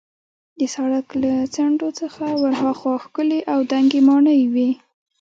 د سړک له څنډو څخه ورهاخوا ښکلې او دنګې ماڼۍ وې.